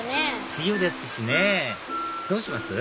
梅雨ですしねどうします？